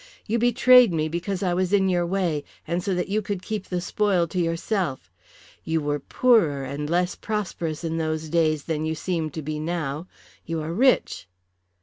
You betrayed me, because I was in your way, and so that you could keep the spoil to yourself. You were poorer and less prosperous in those days than you seem to be now. You are rich."